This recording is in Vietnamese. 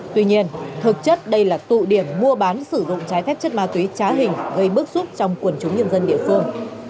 tuy nhiên thực chất đây là tụ điểm mua bán sử dụng trái phép chất ma túy trá hình gây bức xúc trong quần chúng nhân dân địa phương